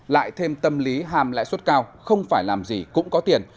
lại thêm tâm lý hàm lãi suất cao không phải làm gì cũng có tiền